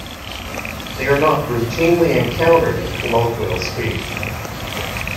They are not routinely encountered in colloquial speech.